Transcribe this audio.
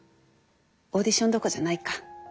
オーディションどころじゃないか。